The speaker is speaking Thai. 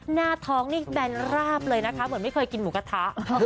หน้าท้องนี่แบนราบเลยนะคะเหมือนไม่เคยกินหมูกระทะ